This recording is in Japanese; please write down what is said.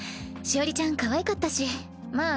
汐織ちゃんかわいかったしまあ